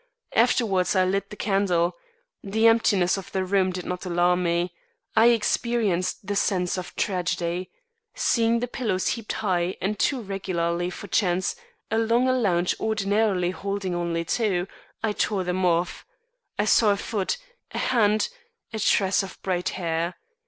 "Afterwards I lit the candle. The emptiness of the room did not alarm me. I experienced the sense of tragedy. Seeing the pillows heaped high and too regularly for chance along a lounge ordinarily holding only two, I tore them off. I saw a foot, a hand, a tress of bright hair.